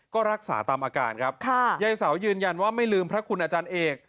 ก็รักษาตามอาการครับยายเสายืนยันว่าไม่ลืมพระคุณอาจารย์เอก